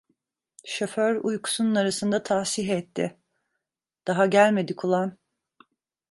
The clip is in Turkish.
Şoför, uykusunun arasında tashih etti: "Daha gelmedik ulan…"